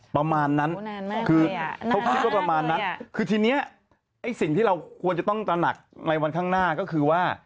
ประมาณนั้นคือทีนี้ไอ้สิ่งที่เราควรจะต้องตระหนักในวันข้างหน้าก็คือว่า